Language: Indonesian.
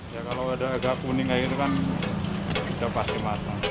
ya kalau ada agak kuning kayak gitu kan udah pasti matang